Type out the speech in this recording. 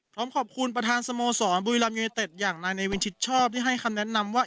พร้อมขอบคุณประธานสโมสรบุรีรัมยูเนเต็ดอย่างนายเนวินชิดชอบที่ให้คำแนะนำว่า